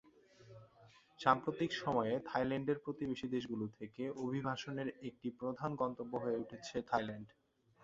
সাম্প্রতিক সময়ে থাইল্যান্ডের প্রতিবেশী দেশগুলো থেকে অভিবাসনের একটি প্রধান গন্তব্য হয়ে উঠেছে থাইল্যান্ড।